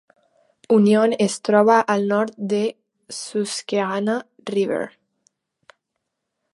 Union es troba al nord de Susquehanna River.